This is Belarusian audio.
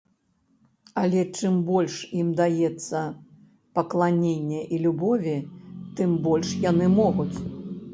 Але чым больш ім даецца пакланення і любові, тым больш яны могуць.